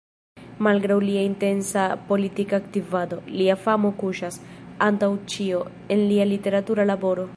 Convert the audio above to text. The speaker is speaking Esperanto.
Malgraŭ lia intensa politika aktivado, lia famo kuŝas, antaŭ ĉio, en lia literatura laboro.